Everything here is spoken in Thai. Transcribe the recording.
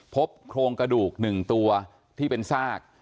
พบโครงกระดูก๑ตัวที่เป็นซาก